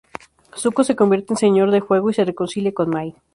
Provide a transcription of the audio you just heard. Zuko se convierte en Señor de Fuego y se reconcilia con Mai.